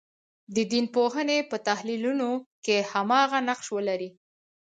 د دین پوهنې په تحلیلونو کې هماغه نقش ولري.